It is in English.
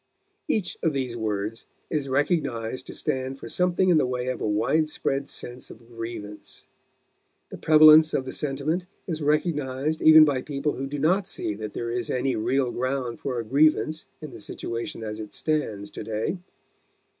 Each of these words is recognized to stand for something in the way of a wide spread sense of grievance. The prevalence of the sentiment is recognized even by people who do not see that there is any real ground for a grievance in the situation as it stands today.